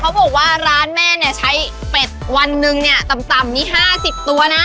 เขาบอกว่าร้านแม่ใช้เป็ดวันนึงต่ำ๕๐ตัวนะ